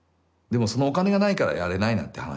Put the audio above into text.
でもそのお金がないからやれないなんて